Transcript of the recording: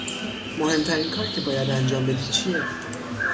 مهمترین کاری که باید انجام بدی چیه؟